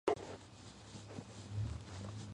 ჰოლივუდის ერთ-ერთი ყველაზე მაღალანაზღაურებადი მსახიობი.